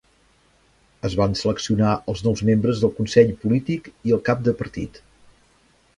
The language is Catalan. Es van seleccionar els nous membres del Consell Polític i el Cap de Partit.